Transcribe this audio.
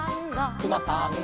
「くまさんが」